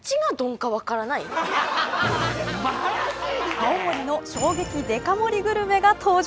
青森の衝撃デカ盛りグルメが登場。